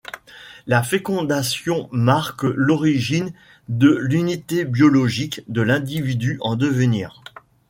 La fécondation marque l'origine de l'unité biologique de l'individu en devenir.